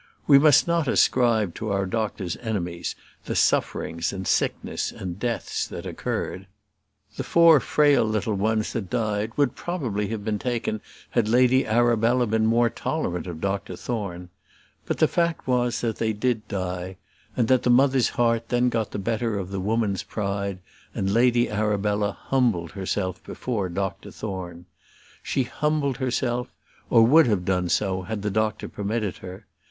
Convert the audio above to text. We must not ascribe to our doctor's enemies the sufferings, and sickness, and deaths that occurred. The four frail little ones that died would probably have been taken had Lady Arabella been more tolerant of Dr Thorne. But the fact was, that they did die; and that the mother's heart then got the better of the woman's pride, and Lady Arabella humbled herself before Dr Thorne. She humbled herself, or would have done so, had the doctor permitted her.